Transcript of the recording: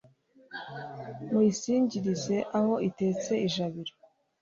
muyisingirize aho itetse ijabiro